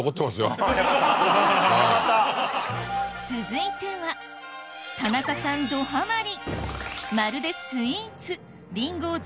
続いては田中さんどハマり！